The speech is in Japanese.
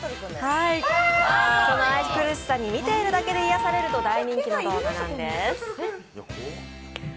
その愛くるしさに、見ているだけで癒やされると大人気の動画なんです。